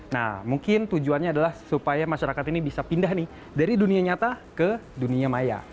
nah mungkin tujuannya adalah supaya masyarakat ini bisa pindah nih dari dunia nyata ke dunia maya